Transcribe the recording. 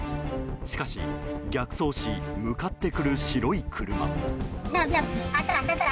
しかし、逆走し向かってくる白い車。